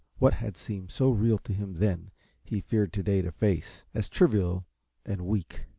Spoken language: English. What had seemed so real to him then he feared to day to face, as trivial and weak.